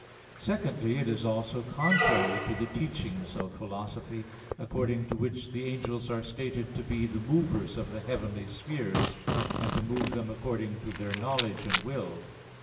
Secondly, it is also contrary to the teachings of philosophy, according to which the angels are stated to be the movers of the heavenly spheres, and to move them according to their knowledge and will.